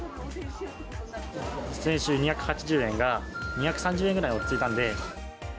先週２８０円が、２３０円ぐらいに落ち着いたんで。